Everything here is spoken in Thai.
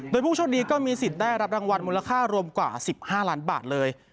โดยผู้โชคดีก็มีสิทธิ์ได้รับรางวัลมูลค่ารวมกว่า๑๕ล้านบาทเลย